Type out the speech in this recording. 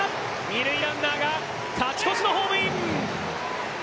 二塁ランナーが勝ち越しのホームイン！